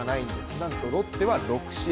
なんとロッテは６試合